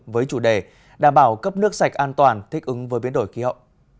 với chủ đề đảm bảo cấp nước sạch an toàn thích ứng với biến đổi khí hậu